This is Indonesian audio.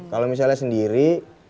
kalau misalnya sendiri